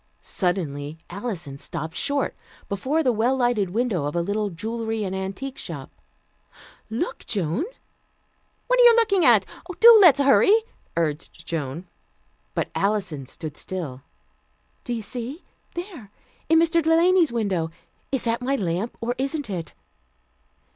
Suddenly Alison stopped short before the well lighted window of a little jewelry and antique shop. "Look, Joan!" "What are you looking at? Do let's hurry," urged Joan. But Alison stood still. "Do you see? There, in Mr. Delany's window. Is that my lamp, or isn't it?"